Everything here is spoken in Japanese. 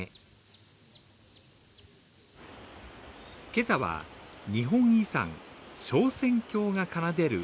今朝は、日本遺産・昇仙峡がかなでる